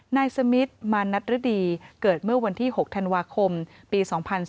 นายสมิทมานัดฤดีเกิดเมื่อวันที่๖ธันวาคมปี๒๔